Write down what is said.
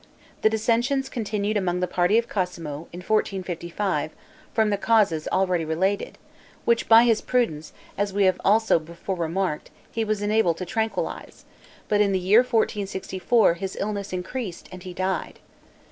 The dissensions continued among the party of Cosmo, in 1455, from the causes already related, which by his prudence, as we have also before remarked, he was enabled to tranquilize; but in the year 1464, his illness increased, and he died.